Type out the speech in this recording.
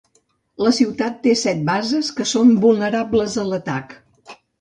La ciutat té set bases, que són vulnerables a l'atac.